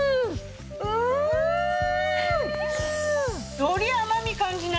うん！より甘み感じない？